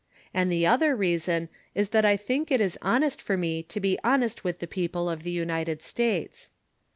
And the other reason is that I think it is honest for me to be honest with the people of the United States.